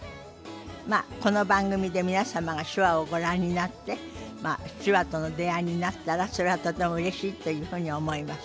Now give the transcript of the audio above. まあこの番組で皆様が手話をご覧になって手話との出会いになったらそれはとてもうれしいというふうに思います。